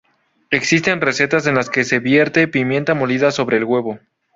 Existen recetas en las que se vierte pimienta molida sobre el huevo.